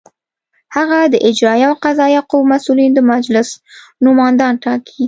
هغه د اجرائیه او قضائیه قواوو مسؤلین او د مجلس نوماندان ټاکي.